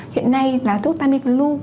hiện nay là thuốc tamiflu